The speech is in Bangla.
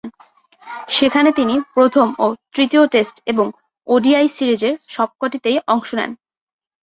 সেখানে তিনি প্রথম ও তৃতীয় টেস্ট এবং ওডিআই সিরিজের সবকটিতেই অংশ নেন।